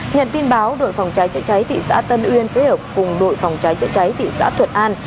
nhận tin báo đội phòng cháy chữa cháy thị xã tân uyên phối hợp cùng đội phòng cháy chữa cháy thị xã thuận an